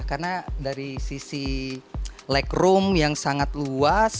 karena dari sisi legroom yang sangat luas